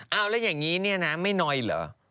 เอาแล้วอย่างนี้เนี่ยนะไม่น้อยเหรอ